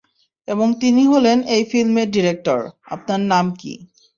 এবং তিনি হলেন এই ফিল্মের ডিরেক্টর, আপনার নাম কি?